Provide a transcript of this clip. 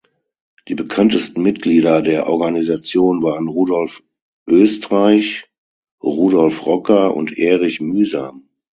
Die bekanntesten Mitglieder der Organisation waren Rudolf Oestreich Rudolf Rocker und Erich Mühsam.